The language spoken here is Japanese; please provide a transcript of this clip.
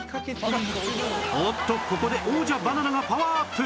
おっとここで王者バナナがパワーアップ